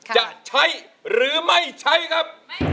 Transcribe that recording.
จะใช้หรือไม่ใช้ครับ